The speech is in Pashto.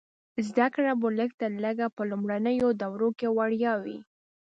زده کړه به لږ تر لږه په لومړنیو دورو کې وړیا وي.